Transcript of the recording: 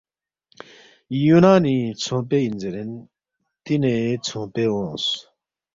یُونانی ژھونگپے اِن زیرین دینے ژھونگپے اونگس